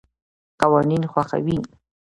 قوانین خوښوي.